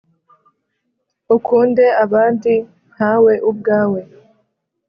ukunde abandi nkawe ubwawe